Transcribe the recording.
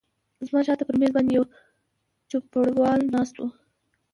زما شاته پر مېز باندې یو چوپړوال ناست و.